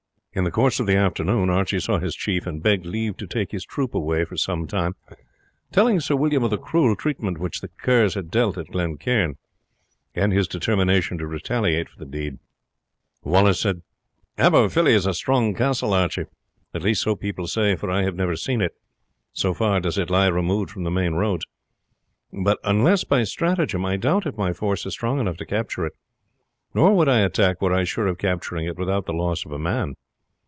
In the course of the afternoon Archie saw his chief and begged leave to take his troop away for some time, telling Sir William of the cruel treatment which the Kerrs had dealt at Glen Cairn, and his determination to retaliate for the deed. "Aberfilly is a strong castle, Archie," Wallace said; "at least so people say, for I have never seen it, so far does it lie removed from the main roads. But unless by stratagem, I doubt if my force is strong enough to capture it; nor would I attack were I sure of capturing it without the loss of a man.